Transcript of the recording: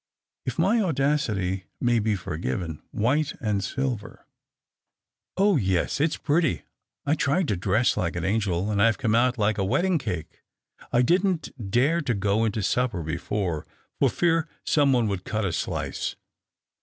" If my audacity may be forgiven, white and silver." " Oh, this ! Yes, it's pretty. I tried to dress like an angel, and I've come out like a wedding cake. I didn't dare to go into supper before, for fear some one would cut a slice."